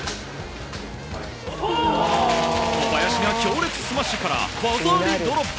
小林が強烈スマッシュから技ありドロップ。